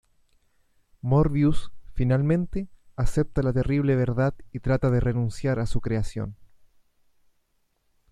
Morbius, finalmente, acepta la terrible verdad y trata de renunciar a su creación.